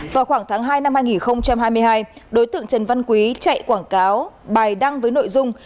vào khoảng tháng hai năm hai nghìn hai mươi hai đối tượng trần văn quý chạy quảng cáo bài đăng với nội dung